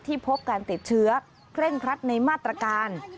พบการติดเชื้อเคร่งครัดในมาตรการ